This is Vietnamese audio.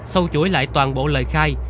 sau chuỗi lại toàn bộ lời khai